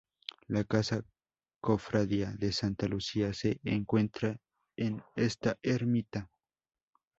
La Casa Cofradía de Santa Lucía se encuentra en esta ermita.